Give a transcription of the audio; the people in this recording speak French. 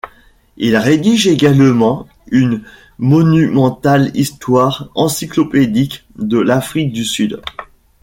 Il rédige également une monumentale histoire encyclopédique de l'Afrique du Sud.